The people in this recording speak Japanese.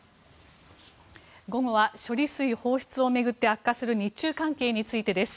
午後は処理水放出を巡って悪化する日中関係についてです。